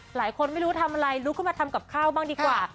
หลายคนไม่รู้ทำอะไรลุกขึ้นมาทำกับข้าวบ้างดีกว่า